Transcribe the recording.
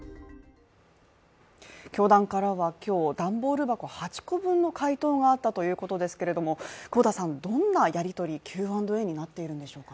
教団からは今日、段ボール箱８個分の回答があったということですけれども久保田さん、どんなやりとりＱ＆Ａになっているんですか？